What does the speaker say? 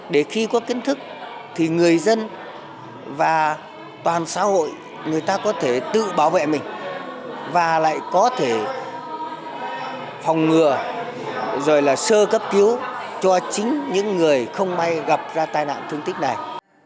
để khi có kiến thức thì người dân và toàn xã hội người ta có thể tự bảo vệ mình và lại có thể phòng ngừa rồi là sơ cấp cứu cho chính những người không may gặp ra tai nạn thương tích này